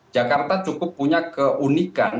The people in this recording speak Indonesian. jakarta cukup punya keunikan